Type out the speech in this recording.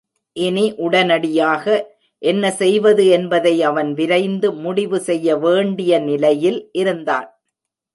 இனி உடனடியாக என்ன செய்வது என்பதை அவன் விரைந்து முடிவு செய்யவேண்டிய நிலையில் இருந்தான்.